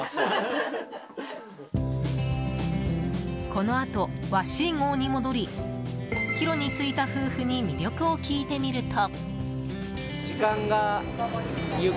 このあと「わっしー号」に戻り帰路に就いた夫婦に魅力を聞いてみると。